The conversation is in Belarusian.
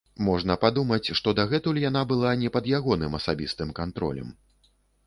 Можна падумаць, што дагэтуль яна была не пад ягоным асабістым кантролем.